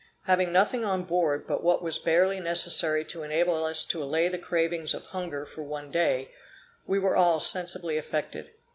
Having nothing on board but what was barely necessary to enable us to allay the cravings of hunger for one day, we were all sensibly affected.